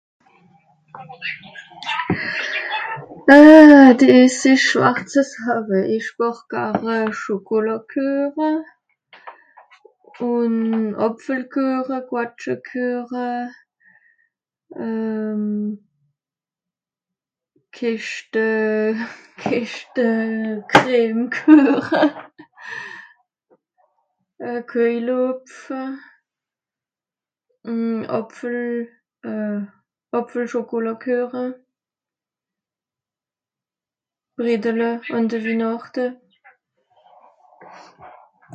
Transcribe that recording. euh diss isch schwar ze saawe, ich bàch gare Schokolàkueche un Àpfelkueche, Quatschekueche euhm Keschte, Keschte, XXX Kueche, euh Köjelhopf, un Àpfel euh Àpfelschokolàkueche, Bredele àn de Wihnàchte